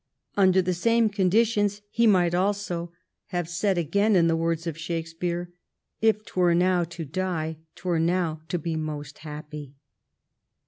Under the same condi tions he might also have said, again in the words of Shakespeare, ' K 'twere now to die, 'twere now to be most happy.'